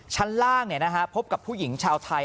ชั้นล่างพบกับผู้หญิงชาวไทย